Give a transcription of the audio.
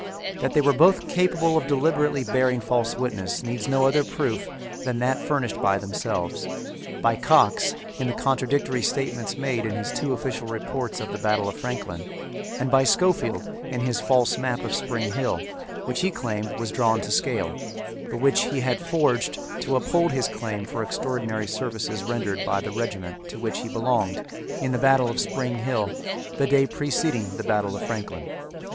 That they were both capable of deliberately bearing false witness needs no other proof than that furnished by themselves by Cox in the contradictory statements made in his two official reports of the Battle of Franklin, and by Scofield in his false map of Spring Hill, which he claimed was drawn to scale, but which he had forged to uphold his claim for extraordinary services rendered by the regiment to which he belonged in the Battle of Spring Hill the day preceding the Battle of Franklin.